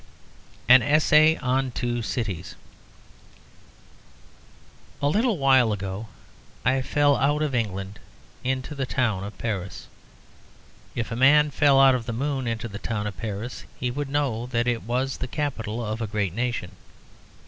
AN ESSAY ON TWO CITIES. A little while ago I fell out of England into the town of Paris. If a man fell out of the moon into the town of Paris he would know that it was the capital of a great nation.